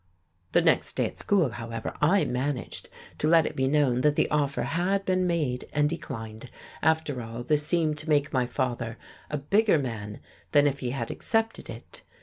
The next day at school, however, I managed to let it be known that the offer had been made and declined. After all, this seemed to make my father a bigger man than if he had accepted it.